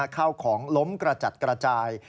ข้าวของล้มกระจัดกระจาย